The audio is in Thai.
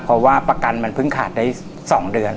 เพราะว่าประกันมันเพิ่งขาดได้๒เดือน